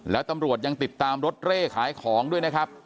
แล้วตำรวจยังติดตามรถเร่ขายของด้วยนะครับ